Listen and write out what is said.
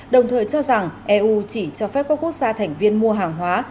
đồng thời cho rằng eu chỉ cho phép các quốc gia thành viên mua hàng hóa